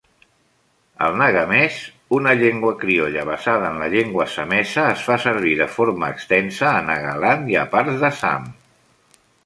El nagamès, una llengua criolla basada en la llengua Assamesa es fa servir de forma extensa a Nagaland i a parts d'Assam.